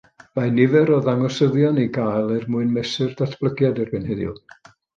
Mae nifer o ddangosyddion i gael er mwyn mesur datblygiad erbyn heddiw